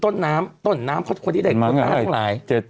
ต้นน้ำต้นน้ำคนที่เด็กต้นต้นน้ำต้นหลาย